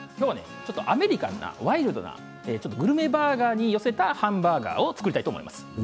アメリカンなワイルドなグルメバーガーに寄せたハンバーガーを作りたいと思います。